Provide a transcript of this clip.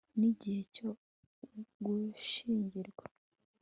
nigihe cyo gushyingirwa